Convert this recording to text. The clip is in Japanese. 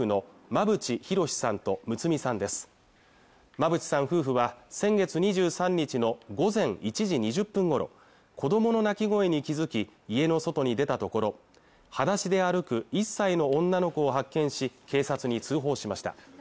間渕さん夫婦は先月２３日の午前１時２０分ごろ子供の泣き声に気づき家の外に出たところ裸足で歩く１歳の女の子を発見し警察に通報しました